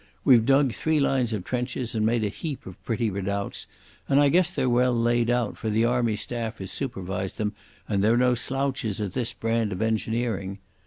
We've dug three lines of trenches and made a heap of pretty redoubts, and I guess they're well laid out, for the Army staff has supervised them and they're no slouches at this brand of engineering.